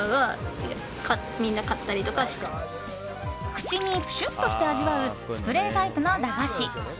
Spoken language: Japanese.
口にプシュッとして味わうスプレータイプの駄菓子。